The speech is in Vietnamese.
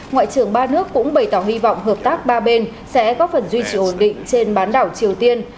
ngoại trưởng ba nước cũng bày tỏ hy vọng hợp tác ba bên sẽ có phần duy trì ổn định trên bán đảo triều tiên